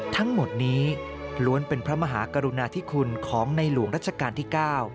ทั้งหมดนี้ล้วนเป็นพระมหากรุณาธิคุณของในหลวงรัชกาลที่๙